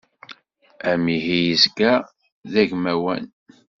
Amihi yezga d agmawan.